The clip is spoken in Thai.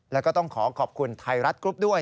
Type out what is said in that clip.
แล้วก็ต้องขอขอบคุณไทยรัฐกรุ๊ปด้วย